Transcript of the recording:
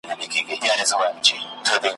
چی کلونه مو کول پکښي قولونه `